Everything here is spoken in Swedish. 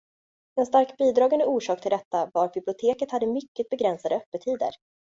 En starkt bidragande orsak till detta var att biblioteket hade mycket begränsade öppettider.